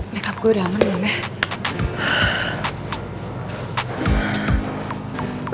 make up gue udah aman belum ya